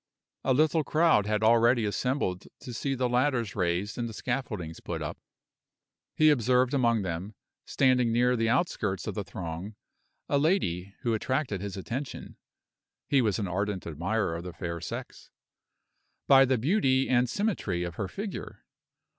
A little crowd had already assembled to see the ladders raised and the scaffoldings put up. He observed among them, standing near the outskirts of the throng, a lady who attracted his attention (he was an ardent admirer of the fair sex) by the beauty and symmetry of her figure.